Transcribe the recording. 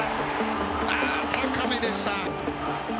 高めでした。